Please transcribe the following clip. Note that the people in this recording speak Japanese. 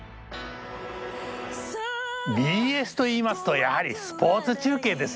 ＢＳといいますとやはりスポーツ中継ですね！